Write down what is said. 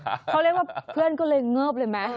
เขาเรียกว่าเพื่อนก็เลยเงิบเลยไหม